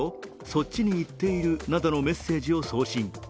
そっちに行っているなどのメッセージを送信。